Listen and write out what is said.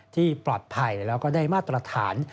ที่ปลอดภัยแล้วก็ได้มาตรฐาน